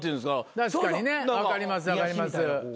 確かにね分かります分かります。